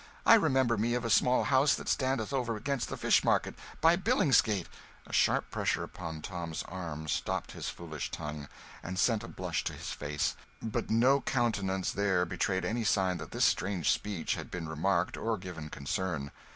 I remember me of a small house that standeth over against the fish market, by Billingsgate " A sharp pressure upon Tom's arm stopped his foolish tongue and sent a blush to his face; but no countenance there betrayed any sign that this strange speech had been remarked or given concern.